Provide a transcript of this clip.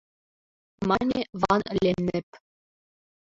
— мане Ван-Леннеп.